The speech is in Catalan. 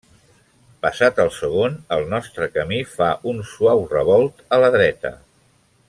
Passat el segon, el nostre camí fa un suau revolt a la dreta.